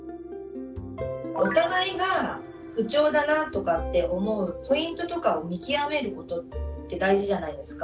お互いが不調だなとかって思うポイントとかを見極めることって大事じゃないですか？